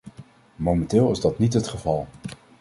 Momenteel is dat niet het geval.